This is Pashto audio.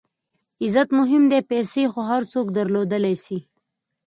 عزت مهم دئ، پېسې خو هر څوک درلودلای سي.